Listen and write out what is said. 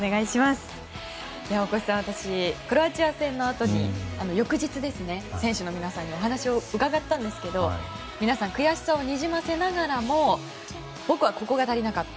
大越さん、私クロアチア戦のあと翌日、選手の皆さんにお話を伺ったんですが皆さん悔しさをにじませながらも僕はここが足りなかった